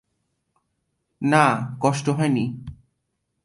না, কষ্ট হয় নি।